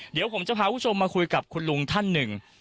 เดี๋ยวผมจะพาคุณผู้ชมมาคุยกับคุณลุงท่านหนึ่ง